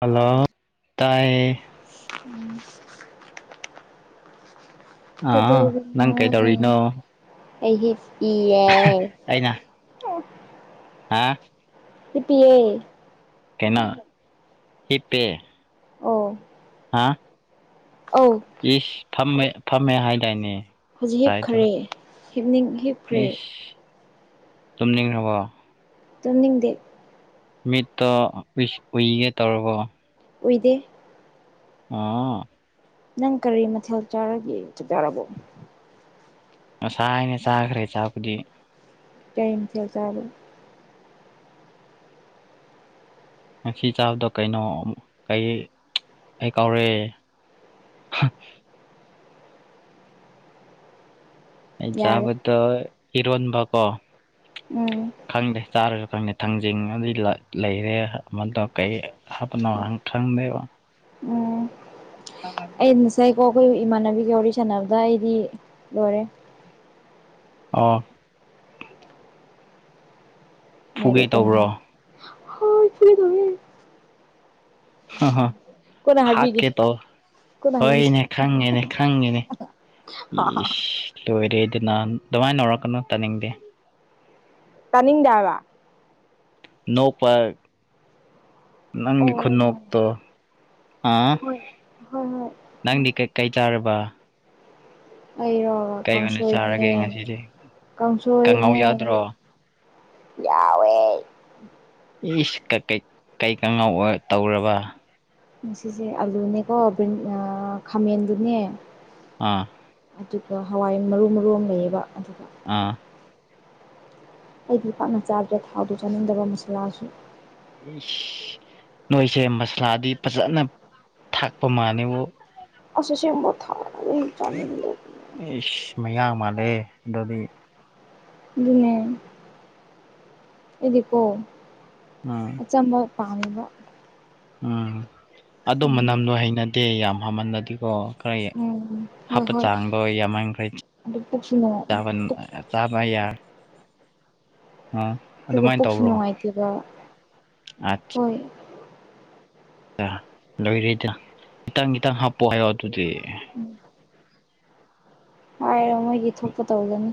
Hello ꯇꯥꯏ ꯎꯝ ꯗ ꯑꯥ ꯅꯪ ꯀꯩꯗꯧꯔꯤꯅꯣ ꯑꯩꯍ ꯏ ꯌꯥ ꯑꯩꯅ ꯍꯥ ꯂꯤꯄꯤꯑ ꯀꯩꯅ ꯍꯤꯞꯠꯇꯦ ꯑꯣ ꯍꯥꯥ ꯑꯧ ꯏꯁ ꯐꯝꯃꯦ ꯐꯝꯃꯦ ꯍꯥꯏꯗꯥꯏꯅꯦ ꯍꯧꯖꯤꯛ ꯉꯁꯥꯏꯗꯣ ꯍꯤꯞꯈꯔꯦ ꯍꯤꯞꯅꯤꯡ ꯍꯤꯞ ꯏꯁ ꯇꯨꯝꯅꯤꯡꯉꯕꯣ ꯇꯨꯝꯅꯤꯡꯗꯦ ꯃꯤꯠꯇꯣ ꯎꯏꯒꯦ ꯇꯧꯔꯕꯣ ꯑꯣꯏꯗꯦ ꯑꯥ ꯅꯪ ꯀꯔꯤ ꯃꯊꯦꯜ ꯆꯥꯔꯒꯦ ꯆꯛꯆꯥꯔꯕꯣ ꯉꯁꯥꯏꯅ ꯆꯥꯈ꯭ꯔꯦ ꯆꯥꯛꯄꯨꯗꯤ ꯀꯩ ꯃꯊꯦꯜ ꯆꯔꯦ ꯉꯁꯤ ꯆꯥꯕꯗꯣ ꯀꯩꯅꯣꯛ ꯀꯩ ꯑꯩ ꯀꯥꯎꯔꯛꯑꯦ ꯍꯥ ꯑꯩ ꯌꯥꯔꯦ ꯆꯥꯕꯗꯣ ꯏꯔꯣꯟꯕꯀꯣ ꯎꯝ ꯈꯪꯗꯦ ꯆꯥꯔꯒ ꯈꯪꯅꯤ ꯊꯥꯡꯖꯤꯡ ꯑꯗꯨ ꯂꯩꯔꯦ ꯑꯃꯗꯣ ꯀꯩ ꯍꯥꯞꯅ ꯋꯥꯥꯟ ꯈꯪꯗꯦꯕ ꯎꯝ ꯑꯩ ꯅꯁꯥꯏ ꯀꯣ ꯑꯩꯈꯣꯏ ꯏꯃꯥꯟꯅꯕꯤꯒ ꯋꯥꯔꯤ ꯁꯥꯟꯅꯕꯗ ꯑꯩꯗꯤ ꯂꯣꯏꯔꯦ ꯑꯣ ꯐꯨꯒꯦ ꯅꯔꯦꯀꯣꯅꯍ ꯇꯧꯕ꯭ꯔꯣ ꯍ ꯆ ꯑ ꯀꯣꯟꯅ ꯍꯥꯏꯕꯤꯒꯦ ꯍꯥꯠꯀꯦ ꯇꯧ ꯀꯣꯟꯅ ꯍꯥꯏꯕꯤꯒꯦ ꯍꯣꯏꯅꯦ ꯈꯪꯉꯦꯅꯦ ꯈꯪꯉꯦꯅꯦ ꯏꯁ ꯂꯣꯏꯔꯦꯗꯅ ꯑꯗꯨꯃꯥꯏꯅ ꯅꯥꯎꯔꯛꯀꯅꯨ ꯇꯥꯅꯤꯡꯗꯦ ꯇꯥꯅꯤꯡꯗꯕ ꯅꯣꯛꯄ ꯅꯪꯒꯤ ꯑꯣ ꯍꯣꯏ ꯈꯨꯅꯣꯛꯇꯣ ꯑꯥ ꯍꯣꯏ ꯍꯣꯏ ꯅꯪꯗꯤ ꯀꯩꯀꯩ ꯆꯥꯔꯕ ꯑꯩꯔꯣ ꯀꯩ ꯑꯣꯏꯅ ꯀꯥꯡꯁꯣꯏꯅꯦ ꯆꯥꯔꯒꯦ ꯉꯁꯤꯗꯤ ꯀꯥꯡꯉꯧ ꯀꯥꯡꯁꯣꯏꯅꯦ ꯌꯥꯎꯗ꯭ꯔꯣ ꯌꯥꯎ ꯋꯦ ꯏꯁ ꯀꯩ ꯀꯥꯉꯥꯎ ꯇꯧꯔꯕ ꯉꯁꯤꯁꯦ ꯑꯂꯨꯅꯦꯀꯣ ꯈꯥꯃꯦꯟꯗꯨꯅꯦ ꯑꯥ ꯑꯗꯨꯒ ꯍꯋꯥꯏ ꯃꯔꯨ ꯃꯔꯨ ꯑꯃ ꯂꯩꯌꯦꯕ ꯑꯗꯨꯒ ꯑꯥ ꯑꯩꯗꯤ ꯄꯥꯛꯥꯛꯅ ꯆꯥꯕꯗ ꯊꯥꯎꯗꯨ ꯆꯥꯅꯤꯡꯗꯕ ꯃꯁꯥꯂꯥꯁꯨ ꯅꯁ ꯅꯣꯏꯁꯦ ꯃꯁꯂꯥꯗꯤ ꯐꯖꯅ ꯊꯥꯛꯄ ꯃꯥꯜꯂꯦꯕꯨ ꯑꯁ ꯑꯁꯦꯡꯕ ꯊ ꯏꯁ ꯃꯌꯥꯡ ꯃꯥꯜꯂꯦ ꯑꯗꯨꯗꯤ ꯑꯗꯨꯅꯦ ꯏꯗꯤꯀꯣ ꯎꯝ ꯑꯆꯝꯕ ꯄꯥꯝꯕ ꯎꯝ ꯑꯗꯨ ꯎꯝ ꯃꯅꯝꯗꯣ ꯍꯩꯅꯗꯦ ꯌꯥꯝ ꯍꯥꯃꯜꯂꯗꯤꯀꯣ ꯈꯔ ꯎꯝ ꯍꯣꯏ ꯍꯥꯞꯄ ꯍꯣꯏ ꯆꯥꯡꯕ ꯌꯥꯝꯃꯟꯈ꯭ꯔꯩꯥ ꯑꯗꯨ ꯄꯨꯛꯁꯨ ꯆꯥꯕ ꯌꯥ ꯑ ꯑꯗꯨꯒ ꯑꯗꯨꯃꯥꯏꯅ ꯄꯨꯛꯁꯨ ꯇꯧꯕ꯭ꯔꯣ ꯅꯨꯡꯉꯥꯏꯇꯦꯕ ꯑ ꯍꯣꯏ ꯂꯣꯏꯔꯦꯗ ꯈꯤꯇꯪ ꯈꯤꯇꯪ ꯍꯥꯞꯄꯣ ꯍꯥꯏꯌꯣ ꯑꯗꯨꯗꯤ ꯎꯝ ꯍꯥꯏꯔꯣ ꯃꯣꯏꯒꯤ ꯊꯣꯛꯄ ꯇꯧꯖꯅꯤ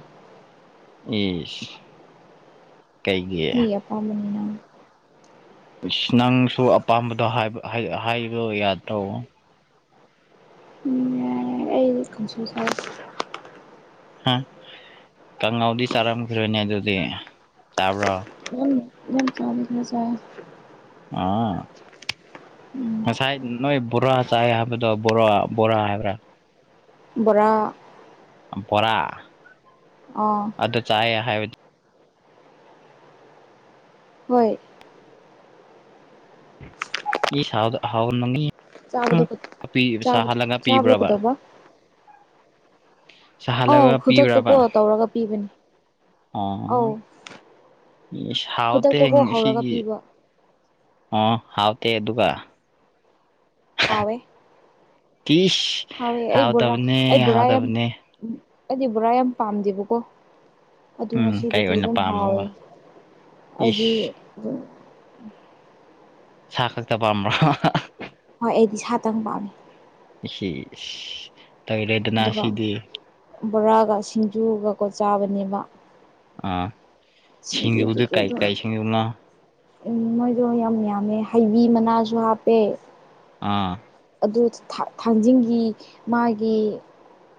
ꯏꯁ ꯀꯩꯒꯤ [unintelligible] ꯏꯁ ꯅꯪꯁꯨ ꯑꯄꯥꯝꯕꯗꯣ ꯍꯥꯏꯕ ꯍꯥꯏ ꯍꯥꯏꯕꯗꯣ ꯌꯥꯗ꯭ꯔꯣ [unintelligible] ꯑꯩ [unintelligible] ꯍꯥ ꯀꯥꯡꯉꯥꯎꯗꯤ ꯆꯥꯔꯝꯈꯤꯔꯣꯏꯅꯦ ꯑꯗꯨꯗꯤ ꯆꯥꯕ꯭ꯔꯣ [unintelligible] ꯆꯥꯕ ꯈꯔ ꯆꯥꯏ ꯑꯥ ꯎꯝ ꯉꯁꯥꯏ ꯅꯣꯏ ꯕꯣꯔꯥ ꯆꯥꯏ ꯍꯥꯏꯕꯗꯣ ꯕꯣꯔꯥ ꯕꯣꯔꯥ ꯍꯥꯏꯕ꯭ꯔꯥ ꯕꯣꯔꯥ ꯑꯝꯐꯣꯔꯥ ꯑ ꯑꯗꯨ ꯆꯥꯏꯑꯦ ꯍꯥꯏꯕꯗꯤ ꯍꯣꯏ ꯆꯥꯕꯗꯣ ꯆꯥꯕꯗꯣ [unintelligible] ꯆꯥꯕꯗꯣ ꯄꯤꯕꯔꯕ ꯀꯩꯗꯧꯕ ꯑꯥꯎ ꯈꯨꯗꯛꯇ ꯀꯣ ꯇꯧꯔꯒ ꯄꯤꯕꯅꯤ ꯑꯥ ꯑꯧ ꯏꯁ ꯍꯥꯎꯇꯦꯍꯦ ꯈꯨꯗꯛꯇꯀꯣ ꯍꯧꯔꯒ ꯉꯁꯤꯒꯤ ꯄꯤꯕ ꯑ ꯍꯥꯎꯇꯦ ꯑꯗꯨꯒ ꯍꯥꯎꯋꯦ ꯀꯤꯁ ꯍꯥꯎꯋꯦ ꯑꯩ ꯕꯣꯔꯥ ꯍꯥꯎꯇꯕꯅꯦ ꯑꯩ ꯕꯣꯔꯥ ꯌꯥꯝ ꯍꯥꯎꯇꯕꯅꯦ ꯎꯝ ꯑꯩꯗꯤ ꯕꯣꯔꯥ ꯌꯥꯝ ꯄꯥꯝꯗꯦꯕꯀꯣ ꯑꯗꯨ ꯎꯝ ꯀꯩ ꯉꯁꯤꯗꯨꯗꯤ ꯑꯣꯏꯅ ꯑꯗꯨꯝ ꯍꯥꯎꯋꯦ ꯄꯥꯝꯃꯣꯕ ꯑꯩꯗꯤ ꯏꯁ ꯑꯗꯨꯝ ꯁꯥ ꯈꯛꯇ ꯄꯥꯝꯕ꯭ꯔ ꯍꯣꯏ ꯑꯩꯗꯤ ꯁꯥꯇꯪ ꯄꯥꯝꯃꯤ ꯢꯁꯤ ꯏꯁ ꯂꯣꯏꯔꯦꯗꯅꯥ ꯑꯗꯨꯒ ꯁꯤꯗꯤ ꯕꯣꯔꯥꯒ ꯁꯤꯡꯖꯨꯒꯀꯣ ꯆꯥꯕꯅꯦꯕ ꯑ ꯁꯤꯡꯖꯨꯗ ꯀꯩꯀꯩ ꯁꯤꯡꯖꯨꯅꯣ ꯎꯝ ꯃꯣꯏꯗꯣ ꯌꯥꯝ ꯌꯥꯝꯃꯦ ꯍꯩꯕꯤ ꯃꯅꯥꯁꯨ ꯍꯥꯞꯄꯦ ꯑꯥ ꯑꯗꯨ ꯊꯥ ꯊꯥꯡꯖꯤꯡꯒꯤ ꯃꯥꯒꯤ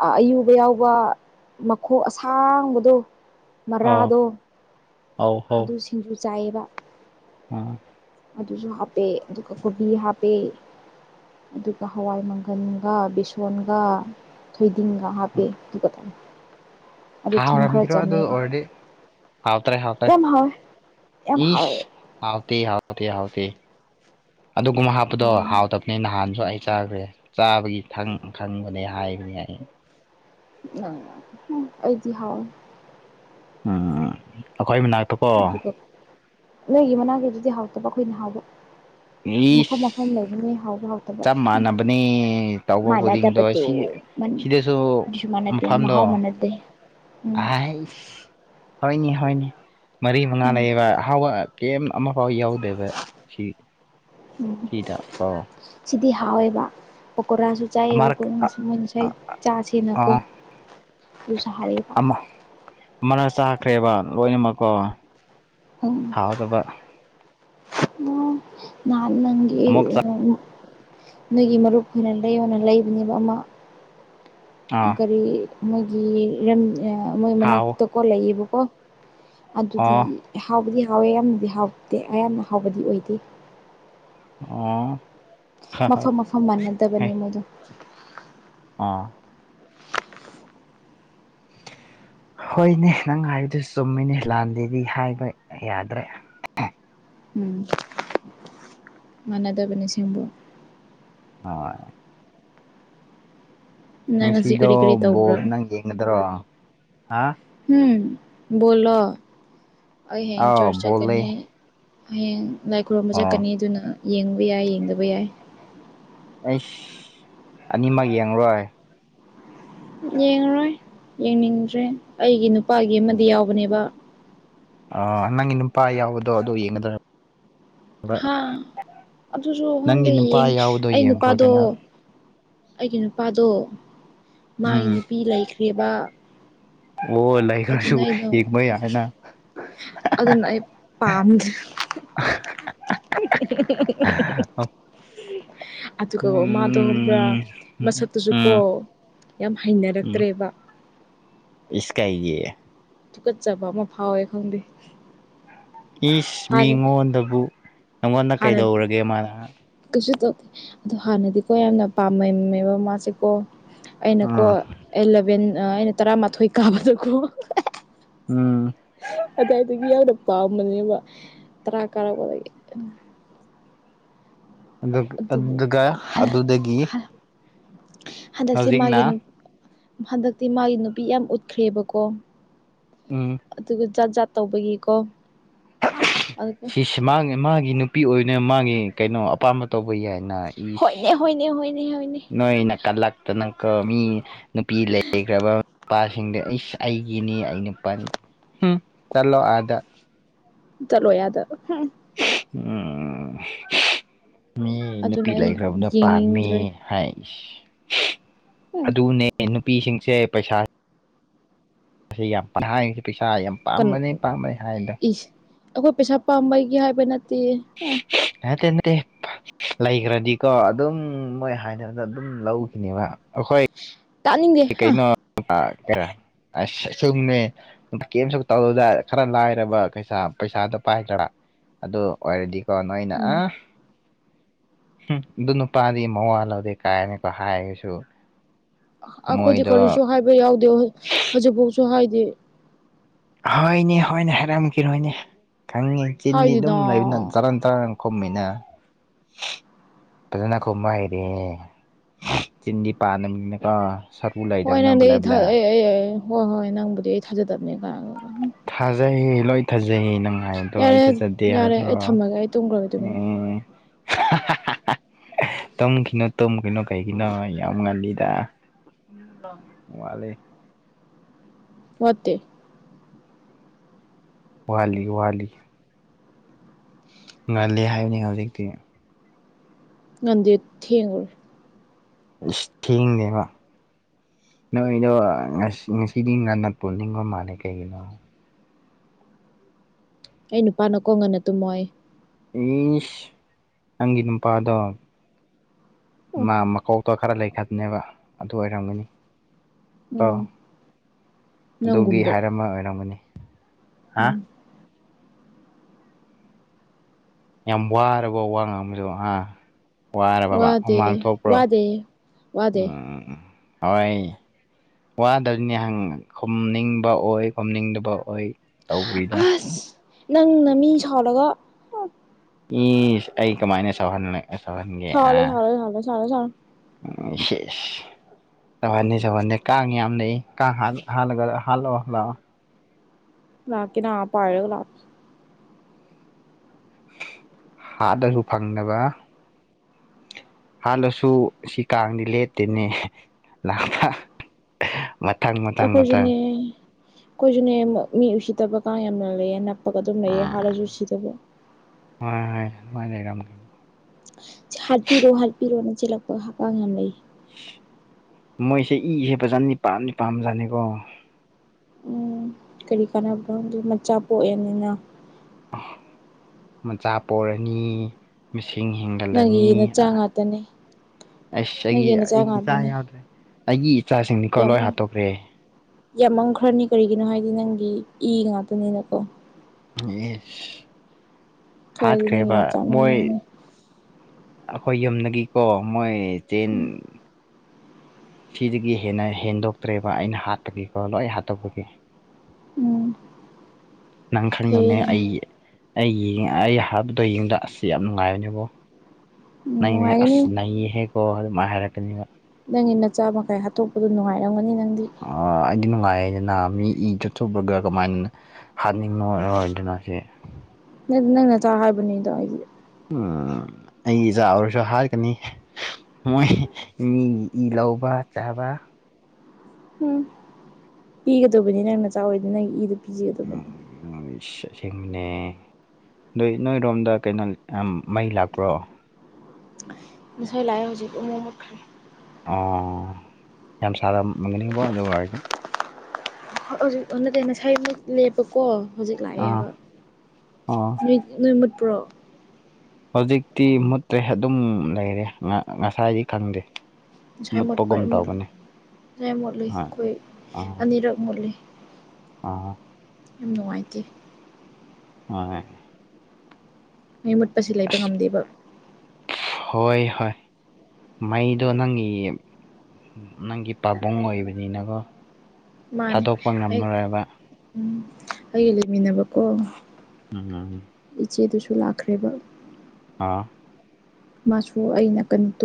ꯑꯥ ꯑꯌꯨꯕ ꯌꯥꯎꯕ ꯃꯈꯣꯛ ꯑꯁꯥꯡꯕꯗꯣ ꯑꯧ ꯃꯔꯥꯗꯣ ꯑꯧ ꯍꯧ ꯑꯗꯨ ꯁꯤꯡꯖꯨ ꯆꯥꯏꯌꯦꯕ ꯑꯥ ꯑꯗꯨꯁꯨ ꯍꯥꯞꯄꯦ ꯑꯗꯨꯒ ꯀꯣꯕꯤ ꯍꯥꯞꯄꯦ ꯑꯗꯨꯒ ꯍꯋꯥꯏ ꯃꯪꯒꯟꯒ ꯕꯤꯁꯣꯟꯒ ꯊꯣꯏꯗꯤꯡꯒ ꯍꯥꯞꯄꯦ ꯗꯨꯒꯇꯪ ꯍꯥꯎꯔꯝꯒꯦꯔꯣ ꯑꯗꯨ ꯑꯣꯏꯔꯗꯤ ꯍꯥꯎꯇ꯭ꯔꯦ ꯍꯥꯎꯇ꯭ꯔꯦ ꯌꯥꯝ ꯍꯥꯎꯋꯦ ꯌꯥꯝ ꯍꯥꯎꯋꯦ ꯏꯁ ꯍꯥꯎꯇꯦ ꯍꯥꯎꯇꯦ ꯍꯥꯎꯇꯦ ꯑꯗꯨꯒꯨꯝ ꯍꯥꯞꯄꯗꯣ ꯍꯥꯎꯋꯦ ꯍꯥꯎꯇꯕ ꯃꯤ ꯅꯍꯥꯟꯖꯨ ꯑꯩ ꯆꯥꯒꯔꯦ ꯆꯥꯕꯒꯤ ꯊꯪ ꯈꯪꯕꯅꯦ ꯍꯥꯏꯕꯅꯤ ꯑꯩ ꯅꯪ ꯎꯪ ꯑꯩꯗꯤ ꯍꯥꯎꯋꯦ ꯑ ꯑꯈꯣꯏ ꯃꯅꯥꯛꯇꯨ ꯑꯗꯨꯒ ꯅꯣꯏꯒꯤ ꯃꯅꯥꯛꯀꯤꯗꯨꯗꯤ ꯍꯥꯎꯇꯕ ꯑꯈꯣꯏꯅ ꯍꯥꯎꯕ ꯏꯁ ꯃꯐꯝ ꯃ ꯐꯝ ꯂꯩꯕꯅꯦ ꯍꯥꯎꯕ ꯍꯥꯎ ꯇꯕ ꯆꯞ ꯍꯝ ꯃꯥꯟꯅꯕꯅꯦ ꯇꯧꯕ ꯈꯨꯗꯤꯡꯗꯣ ꯃꯥꯟꯅꯇꯕꯇꯣ ꯁꯤ ꯃꯟ ꯁꯤꯗꯁꯨ ꯗꯨꯁꯨ ꯃꯥꯟꯅꯗꯦ ꯃꯐꯝꯗꯣ ꯃꯍꯥꯎ ꯃꯥꯟꯅꯗꯦ ꯎꯝ ꯑꯥꯏꯁ ꯍꯣꯏꯅꯦ ꯍꯣꯏꯅꯦ ꯃꯔꯤ ꯃꯉꯥ ꯎꯝ ꯂꯩꯌꯦꯕ ꯑꯍꯥꯎꯕ ꯀꯦꯝ ꯑꯃꯐꯥꯎ ꯌꯥꯎꯗꯦꯕ ꯁꯤ ꯎꯝ ꯁꯤꯗ [unintelligible] ꯁꯤꯗꯤ ꯍꯥꯎꯋꯦꯕ ꯄꯀꯣꯔꯥꯁꯨ ꯆꯥꯏꯌꯦꯕ ꯑꯃꯔꯛ ꯄꯣꯠꯅꯁꯦ ꯃꯣꯏꯅ ꯉꯁꯥꯏ ꯆꯥꯁꯦꯅꯀꯣ ꯑꯥ ꯑꯗꯨꯁꯨ ꯍꯥꯎꯋꯦꯕ ꯃꯅꯥꯛ ꯆꯥꯈ꯭ꯔꯦꯕ ꯂꯣꯏꯅꯃꯛꯀꯣ ꯑꯝ ꯊꯥꯎꯗꯕ ꯎ ꯅꯥꯍꯥꯟ ꯅꯪꯒꯤ ꯑꯃꯨꯛ ꯆꯥ ꯎꯔꯝ [unintelligible] ꯅꯣꯏꯒꯤ ꯃꯔꯨꯞ ꯍꯣꯏꯅ ꯂꯩꯌꯣꯅ ꯂꯩꯕꯅꯦꯕ ꯑꯃ ꯑꯥ ꯀꯔꯤ ꯃꯣꯏꯒꯤ ꯃꯣꯏ ꯍꯥꯎ ꯃꯅꯥꯛꯇꯀꯣ ꯂꯩꯌꯦꯕꯀꯣ ꯑꯗꯨꯗꯤ ꯑꯣ ꯍꯥꯎꯕꯗꯤ ꯍꯥꯎꯋꯦ ꯌꯥꯝꯅꯗꯤ ꯍꯥꯎꯇꯦ ꯑꯌꯥꯝꯅ ꯍꯥꯎꯕꯗꯤ ꯑꯣꯏꯗꯦ ꯑꯥ ꯃꯐꯝ- ꯃꯐꯝ ꯃꯥꯟꯅꯗꯕꯅꯦ ꯃꯣꯏꯗꯣ ꯑꯥ ꯍꯣꯏꯅꯦ ꯅꯪ ꯍꯥꯏꯕꯗꯨ ꯆꯨꯝꯃꯤꯅꯦ ꯂꯥꯟꯗꯦꯗꯤ ꯍꯥꯏꯕ ꯌꯥꯗ꯭ꯔꯦ ꯎꯝ ꯃꯥꯟꯅꯗꯕꯅꯤ ꯁꯤꯕꯨ ꯑꯣꯢ ꯅꯪ ꯉꯁꯤ ꯉꯁꯤꯗꯣ ꯀꯔꯤ ꯀꯔꯤ ꯇꯧꯕ꯭ꯔꯣ ꯕꯣꯕꯅꯪ ꯌꯦꯡꯒꯗ꯭ꯔꯣ ꯍꯥ ꯎꯝ ꯕꯣꯜꯂꯣ ꯑꯩ ꯍꯌꯦꯡ ꯑꯥꯎ ꯆꯔꯁ ꯕꯣꯜ ꯂꯩ ꯆꯠꯀꯅꯤ ꯍꯌꯦꯡ ꯂꯥꯏ ꯈꯨꯔꯨꯝꯕ ꯑꯣ ꯆꯠꯀꯅꯤ ꯑꯗꯨꯅ ꯌꯦꯡꯕ ꯌꯥꯏ ꯌꯦꯡꯗꯕ ꯌꯥꯏ ꯑꯩꯁ ꯑꯅꯤꯃꯛ ꯌꯦꯡꯉꯔꯣꯏ ꯌꯦꯡꯉꯔꯣꯏ ꯌꯦꯡꯅꯤꯡꯗ꯭ꯔꯦ ꯑꯩꯒꯤ ꯅꯨꯄꯥꯒꯤ ꯑꯃꯗꯤ ꯌꯥꯎꯕꯅꯦꯕ ꯑ ꯅꯪꯒꯤ ꯅꯨꯄꯥ ꯌꯥꯎꯕꯗꯣ ꯑꯗꯨ ꯌꯦꯡꯒꯗ꯭ꯔ ꯍꯥ ꯑꯗꯨꯁꯨ ꯅꯪꯒꯤ ꯈꯪꯗꯦ ꯅꯨꯄꯥ ꯌꯦꯡ ꯌꯥꯎꯕꯗꯣ ꯑꯩ ꯅꯨꯄꯥꯗꯣ ꯌꯦꯡꯈ꯭ꯔꯣꯗꯅ ꯑꯩꯒꯤ ꯅꯨꯄꯥꯗꯣ ꯃꯥꯒꯤ ꯎꯝ ꯅꯨꯄꯤ ꯂꯩꯈ꯭ꯔꯦꯕ ꯑꯣ ꯂꯩꯈ꯭ꯔꯁꯨ ꯑꯗꯨꯅ ꯑꯩꯗꯣ ꯌꯦꯡꯕ ꯌꯥꯏꯅ ꯑꯗꯨꯅ ꯑꯩ ꯄꯥꯝꯗꯦ [unintelligible] ꯎꯝ ꯑꯗꯨꯒꯃꯥꯗꯣ ꯈꯪꯕ꯭ꯔꯥ ꯃꯁꯛꯇꯨꯁꯨ ꯀꯣ ꯎꯝ ꯌꯥꯝ ꯍꯩꯅꯔꯛꯇꯔꯦꯕ ꯏꯁꯀꯩꯒꯤ ꯊꯨꯀꯠꯆꯕ ꯑꯃ ꯐꯥꯎꯋꯦ ꯈꯪꯗꯦ ꯏꯁ ꯍꯥꯟꯅ ꯃꯤꯉꯣꯟꯗꯕꯨ ꯅꯪꯉꯣꯟꯗ ꯍꯥꯟꯅꯗꯤ ꯀꯩꯗꯧꯔꯒꯦ ꯃꯥꯅ ꯀꯩꯁꯨ ꯇꯧꯗꯦ ꯑꯗꯣ ꯍꯥꯟꯅꯗꯤꯀꯣ ꯌꯥꯝꯅ ꯄꯥꯝꯃꯝꯃꯦꯕ ꯃꯥꯁꯦꯀꯣ ꯑꯩꯅꯀꯣ ꯎꯝ ꯑꯦꯂꯕꯦꯟ ꯑꯩꯅ ꯇꯔꯥꯃꯥꯊꯣꯏ ꯀꯥꯕꯗꯀꯣ ꯎꯝ ꯑꯗꯨꯋꯥꯏꯗꯒꯤ ꯌꯥꯝꯅ ꯄꯥꯝꯕꯅꯦꯕ ꯇꯔꯥ ꯀꯥꯔꯛꯄꯗꯒꯤ ꯑꯗꯨ ꯑꯗꯨꯕꯨ ꯑꯗꯨꯒ ꯑꯗꯨꯗꯒꯤ ꯍꯟꯗꯛꯁꯦ ꯃꯥꯒꯤ ꯍꯧꯖꯤꯛꯅ ꯅꯨꯞ ꯍꯟꯗꯛꯇꯤ ꯃꯥꯒꯤ ꯅꯨꯄꯤ ꯌꯥꯝ ꯎꯠꯈ꯭ꯔꯦꯕꯀꯣ ꯎꯝ ꯑꯗꯨꯒ ꯖꯥꯠ ꯖꯥꯠ ꯇꯧꯕꯒꯤꯀꯣ ꯑꯗꯨꯒ ꯃꯥ ꯃꯥꯒꯤ ꯅꯨꯄꯤ ꯑꯣꯏꯅ ꯃꯥꯒꯤ ꯀꯩꯅꯣ ꯑꯄꯥꯝꯕ ꯇꯧꯕ ꯌꯥꯏ ꯅ ꯏꯁ ꯍꯣꯏꯅꯦ ꯍꯣꯏꯅꯦ ꯍꯣꯏꯅꯦ ꯍꯣꯏꯅꯦ ꯅꯣꯏ ꯅ ꯀꯥꯂꯛꯇꯅꯀꯣ ꯃꯤ ꯅꯨꯄꯤ ꯂꯩꯈ꯭ꯔꯕ ꯅꯨꯄꯥꯁꯤꯡꯗ ꯏꯁ ꯑꯩꯒꯤꯅꯤ ꯑꯩ ꯅꯨꯄꯥ ꯍꯨꯝ ꯆꯜꯂꯣ ꯑꯥꯗ ꯆꯂꯣꯏ ꯑꯥꯗ ꯍꯨꯝ ꯎꯝ ꯃꯤ ꯅꯨꯄꯤ ꯑꯗꯨꯅ ꯑꯩ ꯂꯩꯈ꯭ꯔꯕꯗꯣ ꯄꯥꯝꯃꯦ ꯌꯦꯡꯅꯤꯡꯗ꯭ꯔꯦ ꯍꯥꯏꯁ ꯑꯗꯨꯅꯦ ꯅꯨꯄꯤꯁꯤꯡꯁꯦ ꯄꯩꯁꯥ [unintelligible] ꯄꯥꯝꯕꯅꯤ ꯍꯥꯏꯗꯣ ꯑꯩꯈꯣꯏ ꯄꯩꯁꯥ ꯄꯥꯝꯕꯒꯤ ꯍꯥꯏꯕ ꯅꯠꯇꯦ ꯍ ꯇꯅꯦ [unintelligible] ꯂꯩꯈ꯭ꯔꯗꯤꯀꯣ ꯑꯗꯨꯝ ꯃꯣꯏ ꯍꯥꯏꯅꯔꯒ ꯑꯗꯨꯝ ꯂꯧꯈꯤꯅꯦꯕ ꯑꯩꯈꯣꯏ ꯇꯥꯅꯤꯡꯗꯦ ꯍꯥ ꯀ ꯑ ꯁꯨꯝꯅꯦ [unintelligible] ꯀꯦꯝꯝꯁꯨ ꯇꯧꯗꯥ ꯈꯔ ꯂꯥꯏꯔꯕ ꯄꯩꯁꯥ ꯄꯩꯁꯥꯗꯣ ꯄꯥꯏꯗ꯭ꯔꯥ ꯑꯗꯨ ꯑꯣꯏꯔꯗꯤꯀꯣ ꯅꯣꯏꯅ ꯎꯝ ꯑꯥ ꯍꯝ ꯑꯗꯨ ꯅꯨꯄꯥꯗꯤ ꯃꯋꯥ ꯂꯧꯗꯦ ꯀꯥꯏꯅꯀꯣ ꯍꯥꯏꯔꯁꯨ ꯑꯩꯈꯣꯏꯗꯤ ꯃꯣꯏꯗꯣ ꯀꯔꯤꯁꯨ ꯍꯥꯏꯕ ꯌꯥꯎꯗꯦ ꯍꯧꯖꯤꯛꯐꯥꯎꯁꯨ ꯍꯥꯏꯗꯤ ꯍꯣꯏꯅꯦ ꯍꯣꯏꯅꯦ ꯍꯥꯏꯔꯝꯈꯤꯔꯣꯏꯅꯦ ꯈꯪꯉꯤ ꯆꯤꯟꯗꯤ ꯍꯥꯏꯗꯦꯅ ꯑꯗꯨꯝ ꯂꯩꯕꯥ ꯇꯥꯡ ꯀꯝꯃꯦꯅ [unintelligible] ꯐꯖꯅ ꯈꯨꯝꯕ ꯍꯩꯔꯦ ꯆꯤꯟꯗꯤ ꯄꯥꯅꯕꯅꯤꯅꯀꯣ ꯍꯣꯏ ꯅꯪꯗꯤ ꯑꯩ ꯑꯩ ꯍꯣꯏ ꯍꯣꯏ ꯅꯪꯕꯨꯗꯤ ꯑꯩ ꯊꯥꯖꯗꯕꯅ ꯀꯣ ꯊꯥꯖꯩꯌꯦ ꯂꯣꯏ ꯊꯥꯖꯩꯌꯦ ꯅꯪ ꯍꯥꯏꯗꯣ ꯑꯩ ꯌꯥꯔꯦ ꯆꯠꯆꯗꯦ ꯍꯥꯏꯕ꯭ ꯌꯥꯔꯦ ꯑꯩ ꯊꯝꯃꯒꯦ ꯑꯩ ꯇꯨꯝꯈ꯭ꯔꯒꯦ ꯇꯨꯃꯤꯟꯅ ꯎꯝ ꯇꯨꯝꯈꯤꯅꯣ ꯇꯨꯝꯈꯤꯅꯣ ꯀꯩꯒꯤꯅꯣ ꯌꯥꯝ ꯉꯜꯂꯤꯗ ꯃꯥꯂꯦ [unintelligible] ꯃꯠꯇꯦ [unintelligible] ꯋꯥꯠꯂꯤ ꯋꯥꯠꯂꯤ ꯉꯜꯂꯤ ꯍꯥꯏꯕꯅꯤ ꯍꯧꯖꯤꯛꯇꯤ ꯉꯟꯗꯦ ꯊꯦꯡꯉꯨꯔꯦ ꯑ ꯊꯦꯡꯅꯦꯦꯕ [unintelligible] ꯅꯣꯏꯗꯣ ꯉꯁꯤꯗꯤ ꯉꯟꯅ ꯄꯨꯅꯤꯡꯕ ꯃꯥꯜꯂꯦ ꯀꯩꯒꯤꯅꯣ ꯑꯩ ꯅꯨꯄꯥꯅ ꯀꯣ ꯉꯟꯅ ꯇꯨꯝꯃꯣ ꯍꯥꯏꯌꯦ꯫ ꯏꯁ ꯅꯪꯒꯤ ꯅꯨꯄꯥꯗꯣ ꯎꯝ ꯃꯥ ꯃꯀꯥꯎ ꯑꯗꯣ ꯈꯔ ꯂꯩꯈꯠꯅꯦꯕ ꯑꯗꯨ ꯑꯣꯏꯔꯝꯒꯅꯤ ꯑꯥꯎ ꯎꯝ ꯑꯗꯨꯒꯤ ꯅꯪꯒꯨꯝꯕ ꯍꯥꯏꯔꯃ ꯑꯣꯏꯔꯝꯒꯅꯤ ꯍꯥ ꯎꯝ [unintelligible] ꯌꯥꯝ ꯋꯥꯔꯕꯣ ꯋꯥ ꯉꯥꯡꯕꯁꯨ ꯍꯥ? ꯋꯥꯔꯕꯕꯥ ꯋꯥꯗꯦ ꯍꯨꯃꯥꯡ ꯊꯣꯛꯄ꯭ꯔꯣ ꯋꯥꯗꯦ ꯋꯥꯗꯦ ꯎꯝ ꯍꯣꯏ ꯋꯥꯗꯕꯅꯤꯪ ꯈꯨꯝꯅꯤꯡꯕ ꯑꯣꯏ ꯈꯨꯝꯅꯤꯡꯗꯕ ꯑꯣꯏ ꯇꯧꯔꯤꯗꯣ ꯑꯁ ꯅꯪꯅ ꯃꯤ ꯁꯥꯎꯔꯒ ꯏꯁ ꯑꯩ ꯀꯃꯥꯏꯅ ꯁꯧꯍꯟꯗꯅꯥ ꯊꯂꯦ ꯁꯥꯂꯦ ꯊꯂꯦ ꯁꯂꯦ ꯁ [unintelligible] ꯑꯦ [unintelligible] ꯁꯧꯎꯍꯟꯗꯦ ꯁꯣꯎꯍꯟꯗꯦ ꯀꯥꯡ ꯌꯥꯝ ꯂꯩꯏ ꯀꯥꯡ ꯍꯥꯜꯂꯛꯑꯣ ꯂꯥꯛꯑꯣ ꯂꯥꯛꯀꯦ ꯅꯥ ꯄꯥꯏꯔꯒ ꯂꯥꯛꯀꯦ ꯍꯔꯗꯁꯨ ꯐꯪꯗꯅꯕ [unintelligible] ꯍꯥꯠꯂꯁꯨ ꯁꯤ ꯀꯥꯡꯗꯤ ꯂꯦꯇꯦꯅꯦ ꯂꯥꯛꯄ ꯃꯊꯪ ꯃꯊꯪ ꯃꯊꯪ ꯑꯩꯈꯣꯏꯁꯨꯅꯦ ꯑꯩꯈꯣꯏꯁꯨꯅꯦ ꯃꯤ ꯎꯁꯤꯠꯇꯕ ꯀꯥꯡ ꯌꯥꯝꯅ ꯂꯩꯌꯦꯅ ꯑꯗꯨꯝ ꯂꯩꯌꯦ ꯎꯝ ꯍꯥꯠꯂꯁꯨ ꯁꯤꯗꯕ ꯍꯣꯏ ꯍꯣꯏ ꯃꯥꯃꯥꯏ ꯂꯩꯔꯝꯒ [unintelligible] ꯍꯥꯠꯄꯤꯔꯣ ꯍꯥꯠꯄꯤꯔꯣꯅ ꯆꯤꯂꯛꯄ ꯀꯥꯡ ꯌꯥꯝ ꯂꯩ ꯃꯣꯏꯁꯦ ꯏꯁꯦ ꯐꯖꯥꯠꯅꯤ ꯄꯥꯝꯅꯤ ꯄꯥꯝ ꯖꯥꯠꯅꯤꯀꯣ ꯎꯝ ꯀꯔꯤ ꯀꯥꯟꯅꯕꯅꯣ ꯃꯆꯥ ꯄꯣꯛꯑꯦꯕꯅꯤꯅ ꯃꯆꯥ ꯄꯣꯔꯅꯤ ꯃꯤꯁꯤꯡ ꯍꯤꯡ ꯒꯠꯂꯅꯤ ꯅꯪꯒꯤ ꯅꯆꯥ ꯉꯥꯛꯇꯅꯤ ꯑꯁ ꯑꯩꯒꯤ ꯅꯪꯒꯤ ꯅꯆꯥ ꯑꯩꯒꯤ ꯏꯆꯥ ꯉꯥꯛꯇꯅꯤ ꯌꯥꯎꯗ꯭ꯔꯦ ꯑꯩꯒꯤ ꯏꯆꯥꯁꯤꯡꯅꯤꯀꯣ ꯂꯣꯏ ꯌꯥꯝ ꯍꯥꯠꯇꯣꯛꯈ꯭ꯔꯦ ꯌꯥꯝꯃꯝꯈ꯭ꯔꯅꯤ ꯀꯔꯤꯒꯤꯅꯣ ꯍꯥꯏꯗꯤ ꯅꯪꯒꯤ ꯏ ꯉꯥꯛꯇꯅꯤꯅꯀꯣ [unintelligible] ꯈꯔꯗꯤ ꯅꯪꯒꯤ ꯍꯥꯠꯈ꯭ꯔꯦꯕ ꯅꯆꯥ ꯃꯌꯥꯝ ꯃꯣꯏ ꯌꯥꯎꯅꯤ ꯑꯩꯈꯣꯏ ꯌꯨꯝꯗꯒꯤꯀꯣ ꯃꯣꯏ ꯆꯦꯟ ꯎꯝ ꯁꯤꯗꯒꯤ ꯍꯦꯟꯅ ꯍꯦꯟꯗꯣꯛꯇ꯭ꯔꯦꯕ ꯑꯩꯅ ꯍꯥꯄꯒꯤꯀꯣ ꯂꯣꯏ ꯍꯥꯠꯇꯧꯕꯒꯤ ꯎꯝ ꯅꯪ ꯈꯪꯗꯩꯅꯦ ꯐꯩꯌꯦꯅꯦ ꯑꯩ ꯑꯩ ꯑꯩ ꯍꯥꯏꯕꯗꯣ ꯌꯦꯡꯕꯗ ꯑꯁ ꯌꯥꯝ ꯅꯨꯡꯉꯥꯏꯕꯅꯦꯕꯣ ꯎꯝ ꯅꯪꯅ ꯅꯨꯡꯉꯥꯏꯒꯅꯤ ꯑꯁ ꯅꯌꯦꯍꯦꯛꯀꯣ ꯑꯗꯨꯃꯥꯏꯅ ꯍꯥꯏꯔꯛꯀꯅꯤꯕ ꯅꯪꯒꯤ ꯅꯆꯥ ꯃꯈꯩ ꯍꯥꯠꯇꯣꯛꯄꯗꯣ ꯅꯨꯡꯉꯥꯏꯔꯝꯒꯅꯤ ꯅꯪꯗꯤ ꯑꯩꯗꯤ ꯅꯨꯡꯉꯥꯏ ꯑꯩꯅ ꯃꯤ ꯏ ꯆꯠꯆꯕꯒ ꯀꯃꯥꯏꯅꯅ ꯍꯥꯠꯅꯤꯡꯉꯣꯏ ꯑꯣꯏꯗꯅꯁꯦ ꯅ ꯅꯪꯅ ꯆꯥ ꯍꯥꯏꯕꯅꯤꯗꯣ ꯑꯩꯗꯤ ꯑꯩꯒꯤ ꯏꯆꯥ ꯑꯣꯏꯔꯁꯨ ꯍꯥꯠꯀꯅꯤ ꯃꯣꯏ ꯃꯤ ꯏ ꯂꯧꯕ ꯆꯥꯕ ꯎꯝ ꯄꯤꯒꯗꯕꯅꯤ ꯅꯪ ꯃꯆꯥ ꯑꯣꯏꯗ ꯅꯪ ꯏꯗꯨ ꯄꯤꯖꯒꯗꯕꯅꯤ [unintelligible] ꯅꯣꯏ ꯅꯣꯏꯔꯣꯝꯗ ꯀꯩꯅꯣ ꯃꯩ ꯂꯥꯛꯄ꯭ꯔꯣ ꯉꯁꯥꯏ ꯂꯥꯛꯑꯦ ꯍꯧꯖꯤꯛ ꯃꯨꯠꯈ꯭ꯔꯦ ꯑꯣ ꯌꯥꯝ ꯁꯥꯔ ꯃꯒꯅꯤꯡꯕꯣ ꯑꯗꯨ ꯑꯣꯏꯔꯗꯤ ꯑꯥ ꯑꯣ [unintelligible] ꯅꯣꯏ ꯃꯨꯠꯄ꯭ꯔꯣ ꯍꯧꯖꯤꯛꯇꯤ ꯃꯨꯠꯇ꯭ꯔꯦ ꯑꯗꯨꯝ ꯂꯩꯔꯦ ꯉꯁꯥꯏꯗꯤ ꯈꯪꯗꯦ ꯉꯁꯥꯏ ꯃꯨꯠꯄ ꯃꯨꯠꯄꯒꯨꯝ ꯇꯧꯕꯅꯦ ꯉꯁꯥꯏ ꯃꯣꯠꯂꯤ ꯍꯣꯏ ꯑꯩꯈꯣꯏ ꯑꯥ ꯑꯅꯤꯔꯛ ꯃꯨꯠꯂꯤ ꯑꯥ ꯌꯥꯝ ꯅꯨꯡꯉꯥꯏꯇꯦ ꯍꯣꯏ ꯃꯤ ꯃꯨꯠꯄꯁꯦ ꯂꯩꯕ ꯉꯝꯗꯦꯕ ꯍꯣꯏ ꯍꯣꯏ ꯃꯩꯗꯣ ꯅꯪꯒꯤ ꯅꯪꯒꯤ ꯄꯥꯕꯨꯡ ꯑꯣꯏꯕꯅꯤꯅꯀꯣ ꯃꯥꯅꯦ ꯊꯥꯗꯣꯛꯄ ꯑꯩ ꯉꯝꯃꯨꯏ ꯎꯝ ꯑꯩꯒ ꯂꯩꯃꯤꯟꯅꯕꯀꯣ ꯎꯝ ꯎꯝ ꯏꯆꯦꯗꯨꯁꯨ ꯂꯥꯛꯈ꯭ꯔꯦꯕ ꯑꯥ ꯃꯥꯁꯨ ꯑꯩ ꯅꯀꯟ ꯇꯨꯝ